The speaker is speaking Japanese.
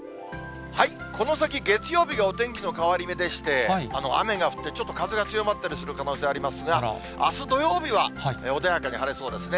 この先、月曜日がお天気の変わり目でして、雨が降ってちょっと風が強まったりする可能性ありますが、あす土曜日は、穏やかに晴れそうですね。